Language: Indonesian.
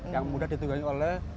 yang mudah ditugasin oleh